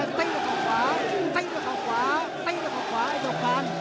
ตั้งตัวข้าวขวาตั้งตัวข้าวขวาตั้งตัวข้าวขวาไอ้เจ้าการ